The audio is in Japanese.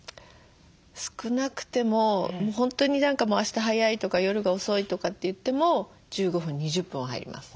少なくても本当に何かもうあした早いとか夜が遅いとかっていっても１５分２０分は入ります。